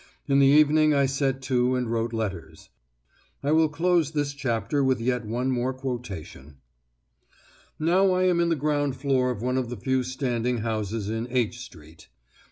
In the evening I set to and wrote letters. I will close this chapter with yet one more quotation: "Now I am in the ground room of one of the few standing houses in H Street.